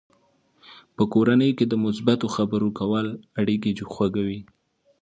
په کورنۍ کې د مثبتو خبرو کول اړیکې خوږوي.